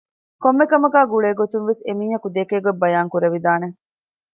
ކޮންމެ ކަމަކާ ގުޅޭ ގޮތުންވެސް އެމީހަކު ދެކޭގޮތް ބަޔާން ކުރެވިދާނެ